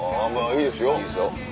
いいですよ。